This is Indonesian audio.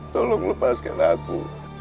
tolong lepaskan aku